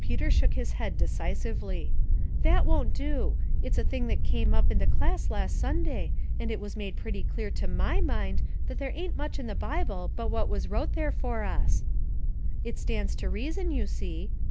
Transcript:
Peter shook his head decisively. *' That won't do — it's a thing that came up in the class last Sunday, and it was made pretty clear to my mind that there ain't much in the Bible but what was wrote there for us ; it stands to reason, you see.